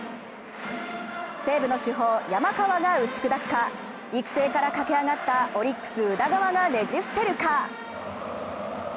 西武の主砲・山川が打ち砕くか、育成から駆け上がったオリックス・宇田川がねじ伏せるか。